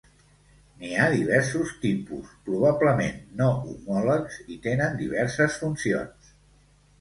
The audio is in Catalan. N'hi ha diversos tipus, probablement no homòlegs, i tenen diverses funcions.